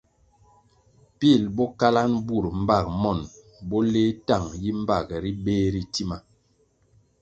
Pil bo kalanʼ bur mbag monʼ, bo leh tang yi mbag ri beh ri tima.